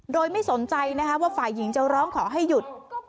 โดยไม่สนใจนะคะว่าฝ่ายหญิงจะร้องขอให้หยุด